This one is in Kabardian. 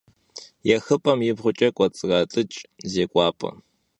Yêxıp'em yibğuç'e k'uets'rat'ıç' zêk'uap'e.